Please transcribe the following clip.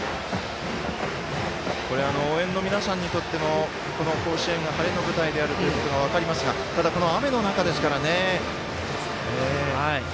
応援の皆さんにとってもこの甲子園が晴れの舞台であるということが分かりますがただ雨の中ですからね。